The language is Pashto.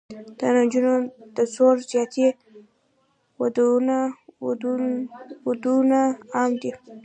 د نجونو د زور زیاتي ودونه عام دي.